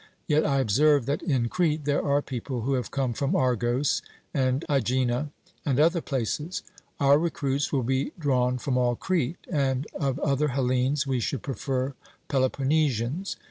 Yet I observe that in Crete there are people who have come from Argos and Aegina and other places. 'Our recruits will be drawn from all Crete, and of other Hellenes we should prefer Peloponnesians.